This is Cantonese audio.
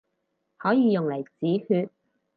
可以用嚟止血